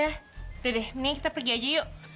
udah deh mending kita pergi aja yuk